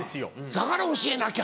だから教えなきゃ。